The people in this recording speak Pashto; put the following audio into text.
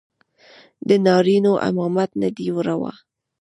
د نارينو امامت نه دى روا.